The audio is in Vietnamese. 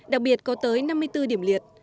đặc biệt có tới năm mươi bốn điểm liệt